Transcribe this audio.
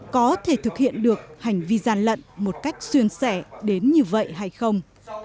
có thể thực hiện được hành vi gian lận một cách xuyên xẻ đến như vậy hay không